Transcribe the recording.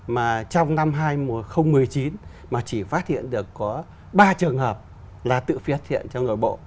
mà trong năm hai nghìn một mươi chín mà chỉ phát hiện được có ba trường hợp là tự phát hiện trong nội bộ